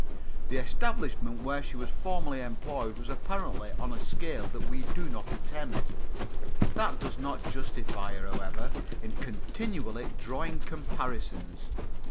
The establishment where she was formerly employed was apparently on a scale that we do not attempt. That does not justify her, however, in continually drawing comparisons.